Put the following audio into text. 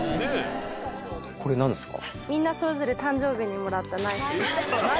これ何ですか？